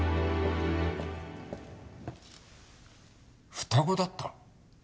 双子だった？